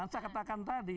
saya katakan tadi